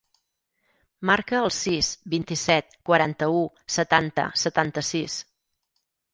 Marca el sis, vint-i-set, quaranta-u, setanta, setanta-sis.